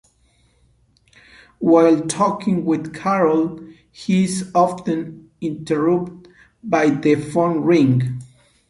While talking with Carol, he is often interrupted by the phone ringing.